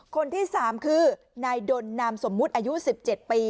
คนที่๓คือนายดนนามสมมุติอายุ๑๗ปี